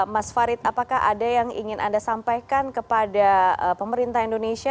mas farid apakah ada yang ingin anda sampaikan kepada pemerintah indonesia